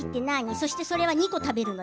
そしてそれは２個食べるの？